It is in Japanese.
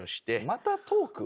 またトーク？